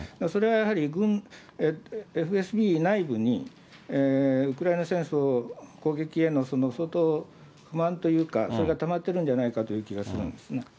それはやはり軍、ＦＳＢ内部にウクライナ戦争、攻撃への相当不満というか、それがたまってるんじゃないかという気がするんですね。